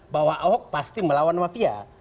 bahwa ahok pasti melawan mafia